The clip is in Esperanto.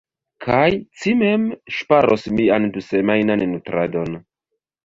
Kaj ci mem ŝparos mian dusemajnan nutradon.